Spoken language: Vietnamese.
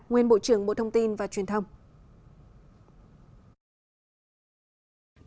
nguyên bộ trưởng bộ thông tin và truyền thông